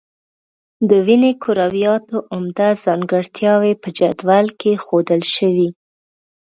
د وینې کرویاتو عمده ځانګړتیاوې په جدول کې ښودل شوي.